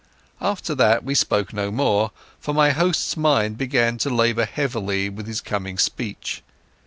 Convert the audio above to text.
After that he spoke no more, for his mind began to labour heavily with his coming speech.